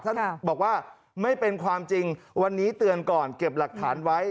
ท่านบอกว่าไม่เป็นความจริงวันนี้เตือนก่อนเก็บหลักฐานไว้